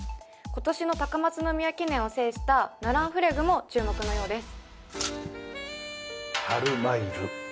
今年の高松宮記念を制したナランフレグも注目のようですってかわっは！